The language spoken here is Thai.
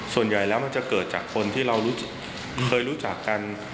ส่วนใหญ่แล้วมันจะเกิดจากคนที่เราเคยรู้จักกัน